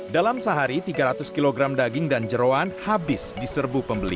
dalam sehari tiga ratus kg daging dan jerawan habis di serbu pembeli